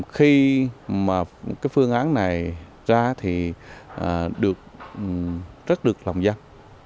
khi mà cái phương án này ra thì được rất được lòng dân